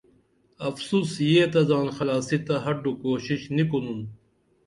افسوس یہ تہ زان خلاصی ت ہڈو کوشش نی کُنُن